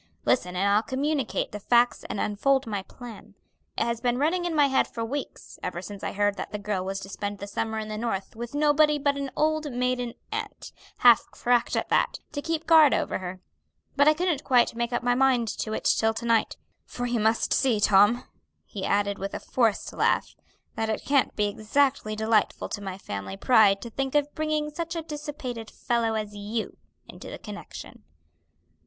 Listen, and I'll communicate the facts and unfold my plan. It has been running in my head for weeks, ever since I heard that the girl was to spend the summer in the North with nobody but an old maiden aunt, half cracked at that, to keep guard over her; but I couldn't quite make up my mind to it till to night, for you must see, Tom," he added with a forced laugh, "that it can't be exactly delightful to my family pride to think of bringing such a dissipated fellow as you into the connection."